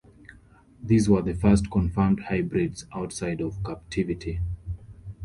These were the first confirmed hybrids outside of captivity.